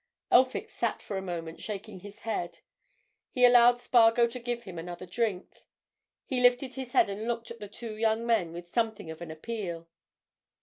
Elphick sat for a moment shaking his head. He allowed Spargo to give him another drink; he lifted his head and looked at the two young men with something of an appeal.